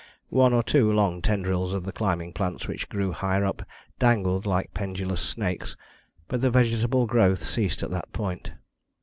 One or two long tendrils of the climbing plants which grew higher up dangled like pendulous snakes, but the vegetable growth ceased at that point.